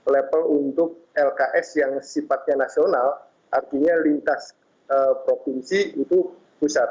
level untuk lks yang sifatnya nasional artinya lintas provinsi itu pusat